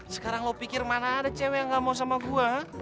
sekarang lo pikir mana ada cewek yang gak mau sama gue